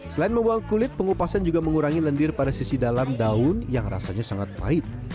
selain membuang kulit pengupasan juga mengurangi lendir pada sisi dalam daun yang rasanya sangat pahit